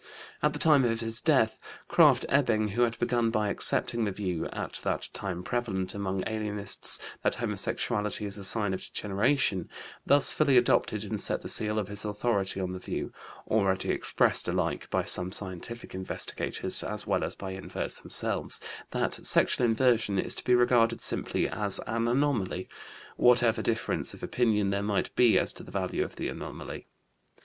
At the time of his death, Krafft Ebing, who had begun by accepting the view, at that time prevalent among alienists, that homosexuality is a sign of degeneration, thus fully adopted and set the seal of his authority on the view, already expressed alike by some scientific investigators as well as by inverts themselves, that sexual inversion is to be regarded simply as an anomaly, whatever difference of opinion there might be as to the value of the anomaly.